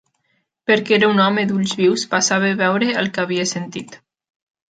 Perquè era un home d'ulls vius, va saber veure el que havia sentit.